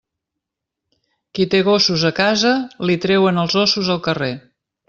Qui té gossos a casa, li treuen els ossos al carrer.